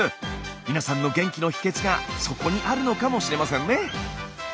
皆さんの元気の秘けつがそこにあるのかもしれませんね！